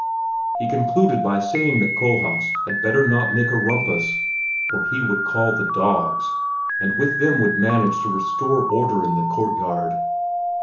He concluded by saying that Kohlhaas had better not make a rumpus or he would call the dogs and with them would manage to restore order in the courtyard.